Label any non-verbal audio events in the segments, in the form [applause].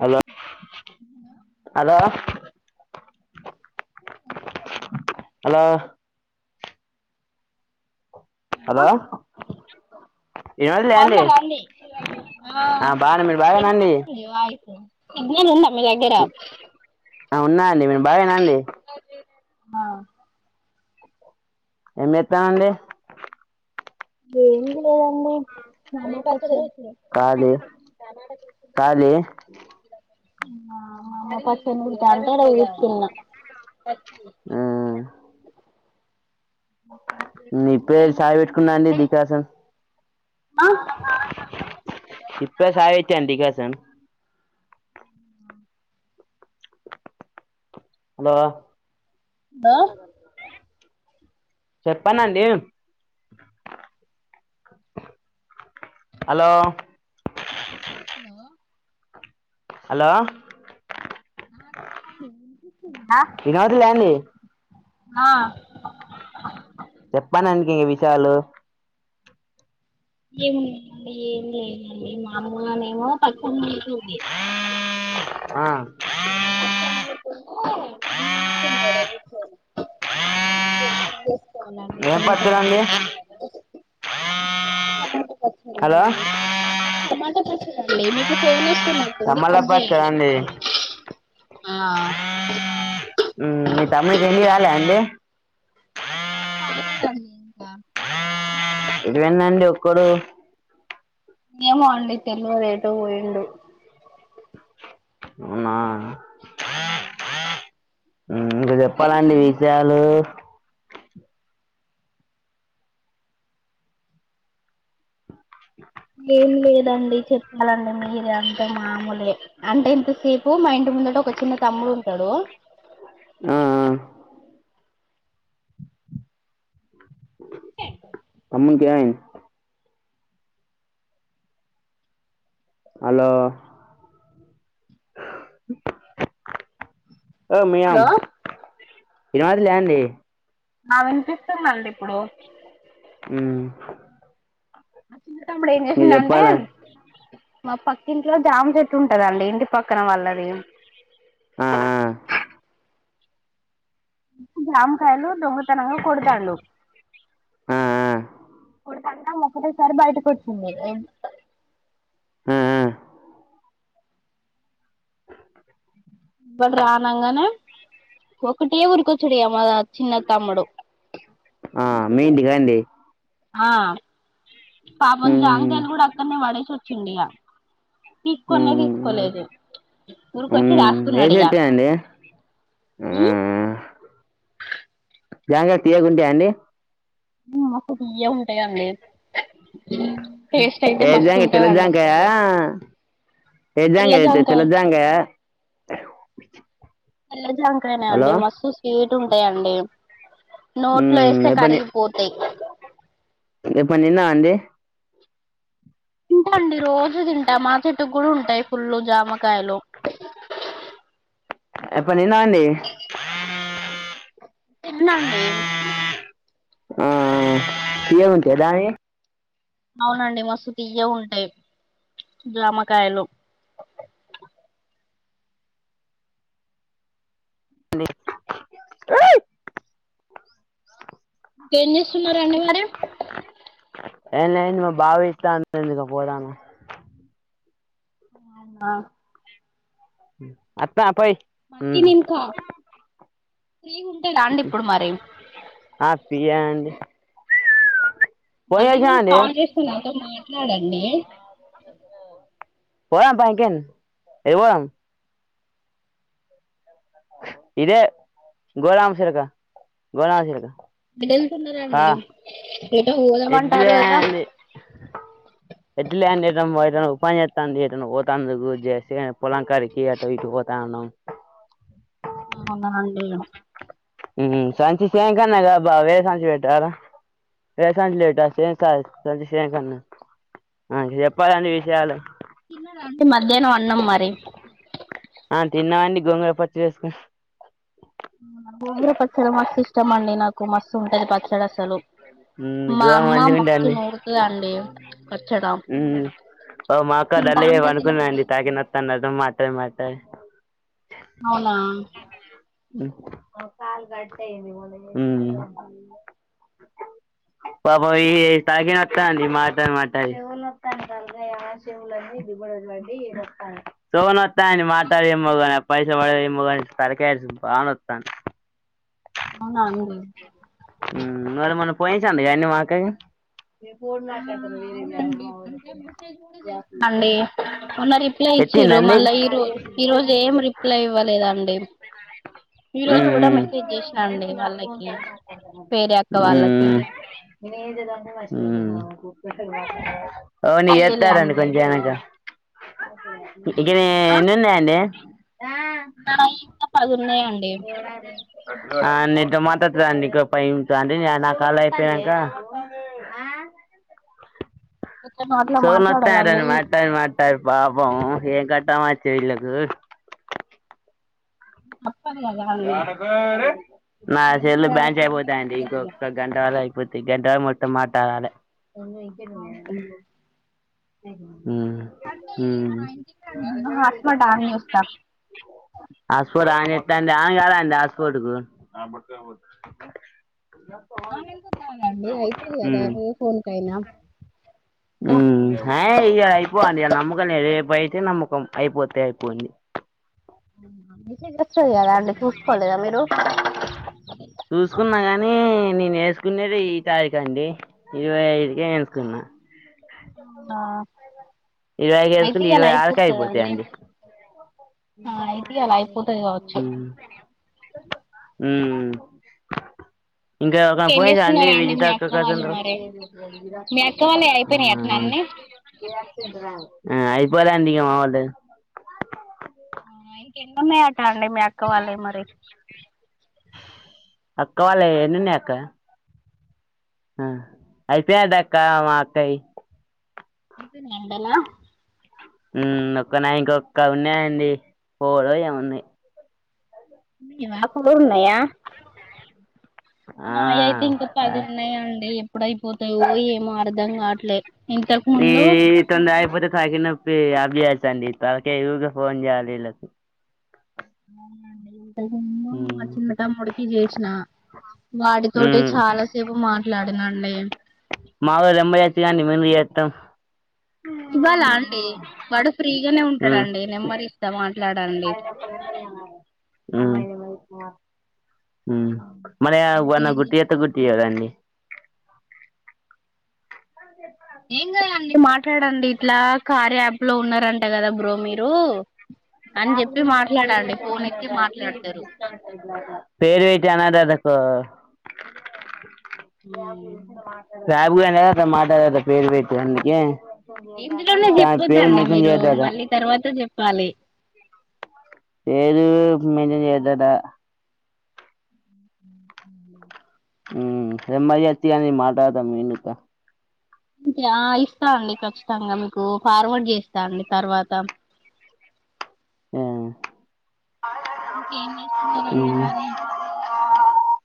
Hello hello hello మ్మా hello అన్నారా అండి ఆ బాగానే మీరు బాగానండి వినిపిస్తుంది వాయిస్ సిగ్నల్ ఉందా మీ దగ్గర ఉన్నా అండి మీరు బాగేనా అండి ఆ ఏమి ఎత్తారూ అండి ఏమి లేదండి ఖాళీ ఖాళీ మా పచ్చని గార్డెన్ల కూర్చున్న ఉమ్ నేను ఇప్పుడే చాయి పెట్టుకున్నా అండి డికాషన్ ఇప్పుడే చాయ్ పెట్టిన డికార్షన్ హలో లో చెప్పనండి హలో హలో హలో ఆ చెప్పండి ఏం కాదులేండి ఆ చెప్పననికి ఈ విషయాలు ఏమున్నాండి ఏం లేదండి మా అమ్మనేమో పక్క ఆ కూర్చుంటే గుంజుతున్నాయి అందుకే ఇగా పనిచేసి అండి ఏం పని టైం పచ్చడండి అయితాంది కదా హలో పచ్చడండి టమాట పచ్చడి అండి మీకు ఫోన్ వ వస్తున్నట్టుంది కట్ తమలపాకు చేయండి అండి మీ తమ్ముడు ఇంకా ఇంటికి రాలేదా అండి రాలేదండీ ఇంకా ఎటు పోయిండండి ఒక్కడు ఏమో అండి తెలవదు ఎటో పోయిండు అవునా ఉమ్ ఇంకా చెప్పాలండి విషయాలు ఏం లేదండి చెప్పాలండి మీరే అంతే మామూలే అంటే ఇంతసేపు మా ఇంటి ఉందడు ఒక చిన్న తమ్ముడు ఉంటాడు ఆ ఆ తమ్ముంకేమైంది హలో హలో మియామ్ యాద్ యండి ఆ వినిపిస్తుందండి ఇప్పుడు ఉమ్మ్ ఆ చిన్నతమ్ముడు ఏం చేసిండంటే మా పక్క ఇంట్లో జామ చెట్టు ఉంటదండి ఇంటి పక్క పక్కన వాల్లది ఆ, ఆ, జామ్ కాయలు దొంగతనంగా కొడుతాండు ఆ, ఆ, అన్నా ఒకటేసారి బయటకు వచ్చింది ఆ, ఆ, వాడు రానంగానే ఒకటే ఉరుకొచ్చుడియమా చిన్న తమ్ముడు ఆ, మీ ఇంటికా అండి ఆ పాపం ఉమ్, జంకాయలు కూడా అక్కడనే పడేసి వచ్చిండియా తీసుకోనే ఉమ్, తీసుకోలేదు ఉరికొచ్చి ఉమ్, ఏ దాసుకున్నాడు ఇగా చెట్టు అండి ఆ, ఉమ్ జంకాయ తీయగుంటయా అండి తియ్యగా ఉంటాయండి టేస్ట్ అయితే మస్తు ఏజాక ఉంటదండి తెల్లజాంకయా అసలు తెల్ల ఏజాంకయ ఐతే జాంకాయ తెల్లజాంకయా తెల్ల జాంకాయనే అండి మస్తు స్వీట్ ఉంటాయండి నోట్లో ఉమ్, వేస్తే కరిగిపోతయి ఎప్పు నేన్న అండి తింటా అండి రోజు తింటా మా చెట్టుకు కూడా ఉంటాయి ఫుల్లు జామకాయలు [unintelligible] ఎప్పు నిన్నా అండి తిన్నాండి ఆ తియ్యగా ఉంటయా దాని అవునండి మస్తుతియ్యగ ఉంటాయి జామకాయలు [unintelligible] ఇంకేంచేస్తున్నారు అండి మరి ఎమ్లా బావిఇట్లో త పోదము అవునా అత్త పోయి పనికి ఉమ్, నింకా అ ఫ్రీ అనండి మళ్ళీ నేను కాల్ చేస్తా నాతో మాట్లాడండి పోదామ్ పనికన్ ఏ పోదామ్ ఇదే గోరాంసిలక గోరంసిలక ఎమ్ తిన్నరండి ఎటో పోదామంటారు ఎడ్లే కదా అండి [unintelligible] పొలం కాడకి ఆటో ఏటో కణం అవునా అండి సంచి సం కన్నాబా వేర సంచి పెట్టారా [unintelligible] చెప్పాలండి విష్యాలు తిన్నారా అండి మధ్యాహ్నం అన్నాం మరి ఆ తిన్నామండి గోంగూర పచ్చడీ వేసుకు సూపర్ ఉంటది పచ్చడసాలు గోవా మంచిగా ఉంటుంది నూరుతదండి పచ్చడా హ్మ్మ్ ఓ మా అక్క తింటా దండిగా అంటే పడుకొంది తినబుద్ధి అండి తలకాయ్ అయితది నోతాండి అట మాట్లాడి మాట్లాడి అవునా హ్మ్ పాపయి తలకాయ్ నొస్తాంది మాట్లాడి మాట్లాడి చెవు నోతాంది మాట్లాడి ఏమోగ పైస పడ ఏమోగ అప్పటి నుంచి తలకాయ్ బా నోతాంది [inaudible] అవునా అండి హ్మ్ మనం పోయిన సంధి గానే వకగా ఆ అవునండి అంటే మెసేజ్ కూడా ఎట్ చిరు మళ్ళీ ఈ రో ఈ రోజు ఏం రిప్లై ఇవ్వలేదండి ఈ రోజు కూడా మెసే అ అ ఫోన్ వేరే అక్క వాళ్ళకి రిప్లై ఇయ్యలే ఇయతార అండి కొంచం వెనకా ఇకనే ఆ ఎన్నినున్నాయాండి నాయి ఇంక పదున్నాయా అండి ఆ నీతో మాట్లాతండి ఇంకో ఫైవ్ మినిట్స్ అండి నా కాళ్ళ అయిపోయానాక ఆ ఇట్లనో అట్లా సో మాట్లాడాలండి నోతాంది మాట్లాడి మా టడి పాపం ఏం కష్టంవచ్చే వీళ్ళలకు తప్పదు కదా అండి నా సెల్ డబ్బులు లో బ్యాంచ్ రావాలంటే అయిపోతాంది తప్పదు ఇగ ఇంకొక గంటవలే పోతి గంటలో మొత్తం మాట్లాడాలి హాట్స్పాట్ ఆన్ చేస్తా హాట్స్పాట్ ఆన్ చే దాంది ఆన్ కాదు అండి హాట్స్పాట్కు ఆన్ ఎందుకు కాదండి అయితది కదా హ్మ్ ఏ ఫోన్ కైనా హ్మ్ హాయ్ ఇగో ఇ పో అంది ఆ నమ్మకంలే రేపు అయితే నమ్మకం అయిపోతే అయిపోని మెసేజ్ వస్తుంది కదా అండి చూసుకోలేదా మీరు చూసుకున్నా గాని నేను వేసుకునేది ఈ తారీకు అండి ఇరవై ఐదు ఏ ఎస్కున్నా ఆ ఇరవై అయితే వేసుకుంటే ఇయాల ఇరవై ఆరుకే అయిపోతదండి అయిపోతాయండి ఆ అయితే ఇయాల అయిపోతది కావచ్చు హ్మ్ హ్మ్ ఇంకా ఒక ఇంకేం [unintelligible] అండి చేస్తున్నారండి విజితా మీ అక్క వాళ్ళు మరి మీ అక్క వాళ్ళయి అయిపోయినాయి అట్నా [unintelligible] అన్ని ఆ అయిపోతాంది ఇగ మా [unintelligible] ఇంక ఎన్ని ఉన్నాయ్ అట అండి మీ అక్క వాళ్ళవి మరి అక్క వాళ్ళ వి ఏనున్నాయ్ అక్క అ అయిపోయదక్క మా అక్కది ఎంతలా హ్మ్ ఒక్క నా ఇంకొక్క ఉన్నాయండి ఫోర్ ఓ ఏమో ఉన్నాయ్ అక్కవు కూడా ఉన్నాయా ఆ నాయి అయితే ఇంకా పదిన్నాయండి ఎప్పుడయిపోతాయో ఏమో అర్ధం కాట్లే ఏ ఇతన్ది ఆయిపోతే [unintelligible] భి అప్చేస్థాంది ఈ తలకాయ్ ఉకే ఫోన్ చేయాల వీళ్లకు ఆ [unintelligible] చిన్న తమ్ముడికి చేసిన వాడితోటే మ్మ్ చాలా సేపు మాట్లా తిన్నండి మావోలు రెంబైయాచ్చ కానీ నువ్వు ఎందుకు చేతావ్ ఇవాల అండి వాడుస్ ఫ్రీగానే ఉంటాడా మ్మ్ అండి నెంబర్ ఇస్తా మాట్లాడండి ఉమ్ మన యావన్న గుర్తు చేత్తదా గుర్తు చేయదా అండి ఏ ఏం కాదండి మాట్లాడండి ఇట్లా కార్య యాప్ లో ఉన్నారంట కదా బ్రో మీరు అని చెప్పి మాట్లాడండి ఫోన్ ఎత్తి మాట్లాడతారు పేరు పెట్టి అనడ్డటా ఆ [unintelligible] అట మాట్లాడదట పేరు పెట్టి అందుకే ఇందులోనే దాని పేరు చెప్పొద్దండి మెన్షన్ మీరు చేయొద్దట మళ్ళీ తర్వాత చెప్పాలి ఏదు మెయింటైన్ చేయొద్దటా ఉమ్ నెంబర్ చెప్తా ఇయ్యండి మాటత మీ ఎందుకు అ ఇస్తా అండి ఖచ్చితంగా మీకు ఫార్వర్డ్ చేస్తా అండి తర్వాత మ్మ్ ఇంకేం చేస్తున్నారండి మరి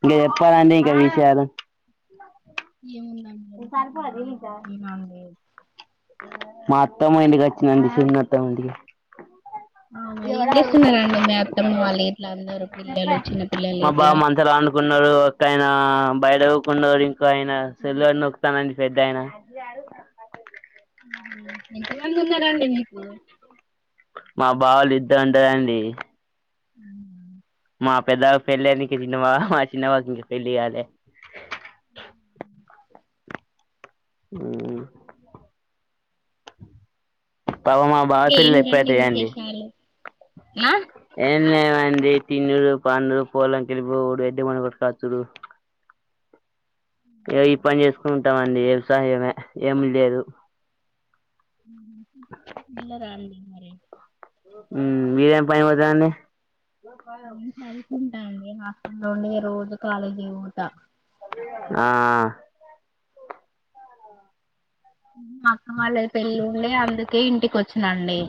ఇంక చెప్పాలండి గ విషయాలు ఏముందండి [unintelligible] మా అత్తమ్మ ఇంటికొచ్చిన చిన్న అత్తమ్మ ఇంటికి అవునా ఏం చేస్తున్నారండి మీ అత్తమ్మ వాళ్ళు ఇట్లా అందరు పిల్లలు చిన్న పిల్లలు మా ఇట్లా బామంత అనుకున్నారు ఒక్కాయన బయట [unintelligible] ఇంకో ఆయన సల్లడి నొక్కుతానండి పెద్ద అయిన ఆ ఎంత మంది ఉన్నారండి మీకు మా బావలు ఇద్దరుంటరండి మా పెద్ద పెళ్లి [unintelligible] మా చిన్న బావ కి ఇంకా పెళ్లి కాలే మ్మ్ పాప మా బావ పిల్లలు ఏంటండి ఎప్పుడయతాయండి విశేషాలు ఆ ఏం లేమ తిన్నరు పాన్నరు పోలం కెలిపు ఎడ్ మనడు [unintelligible] ఈ పని చేసుకుంటామండి వ్యవసాయమే ఏమి లేదు [unintelligible] మరి మ్మ్ మీరేం పనికి పోతారండి నేను చదువుకుంటాండి హాస్టల్లోనే రోజు కాలేజీ కి పోత ఆ మా అక్క వాళ్ళ పెళ్ళి ఉండి అందుకే ఇంటికొచ్చినండి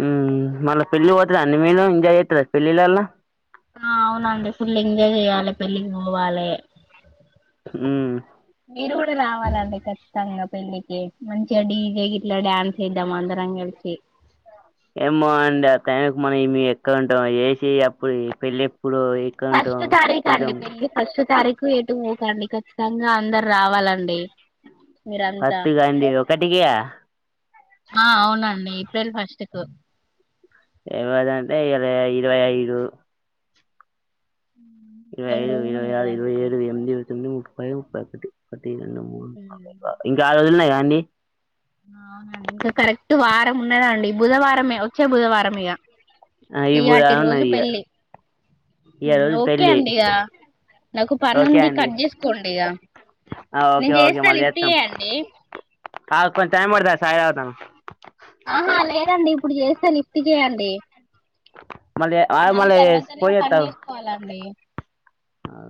హ్మ్ మళ్ళ పెళ్ళి పోతురు అన్ని మీరే ఎంజాయ్ చేత్తర పెళ్లలల్లా ఆ అవునండి ఫుల్ ఎంజాయ్ చెయ్యాలె పెళ్ళికి పోవాలె ఊ [inaudible] రావాలండి ఖచ్చితంగా పెళ్ళికి మంచిగా డీ జే గిట్లా డ్యాన్స్ చేద్దాం అందరం కలిసి ఏమో అండి ఆ టైం కి మనం ఇమి ఎక్కడ ఉంటాం ఏసి అప్పుడు పెళ్ళెప్ ఫస్ట్ తారీఖు అండి పెళ్ళి ఫస్ట్ తారీ కు ఎటూ పోకండి ఖచ్చితంగా అందరూ రావాలండి మీరంతా పత్తికా అండి ఒకటికి ఆ ఆ అవునండి ఏప్రెల్ ఫస్ట్ కు ఎవ్వరంటే ఇయాలా ఇరవై ఐదు ఇరవై ఐదు రోజులు ఇరవై ఆరు ఇరవై ఉన్నదండి ఏడు ఎనిమిది తొమ్మిది ముప్పై ముప్పై ఒకటి ఒకటి రెండు మూడు ఉమ్. [inaudible] ఇంకా ఆరు రోజులున్నాయి గా అండి అవునండి ఇంక కరెక్ట్ వారం ఉన్నదండి బుధవారమే వచ్చే బుధవారం ఇగ ఆ ఈ బుధ ఆటి రోజు ఉన్నది ఇగ పెళ్లి ఇగ ఊ రోజు ఓకే పెళ్ళి అండి ఇగ నాకు పని ఓకే ఉంది అండి కట్ చేసుకోండి ఇగ ఆ నేను చేస్తా లిఫ్ట్ చేయండి ఆ ప టామ్ వడతా సయి అతాను ఆహా లేదండి ఇప్పుడు చేస్తే లిఫ్ట్ చేయండి ఆగు మళ్ళీ తర్వాత నేను ఫోన్ పని చేత్తా ఆగు చేసుకోవాలండి ఆ,